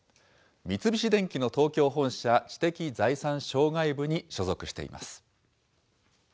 三菱電機の東京本社、知的財産渉外部に所属しています。